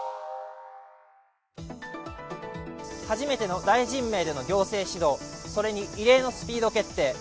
初めての大臣名での行政指導、それに、異例のスピード決定。